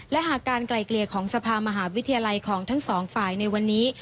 และหากการไกลเกลี่ยของสภามหาวิทยาลัยของทั้งสองฝ่ายในวันนี้